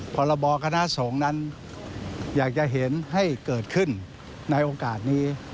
พรบคณะสงฆ์นั้นอยากจะเห็นให้เกิดขึ้นในโอกาสนี้